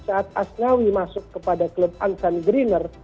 saat asnawi masuk kepada klub ansan greener